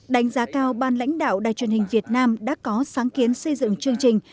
đánh giá cao ban lãnh đạo đài truyền hình việt nam đã có sáng kiến xây dựng chương trình